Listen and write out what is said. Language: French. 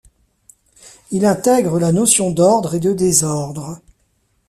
Il intègre la notion d'ordre et de désordre.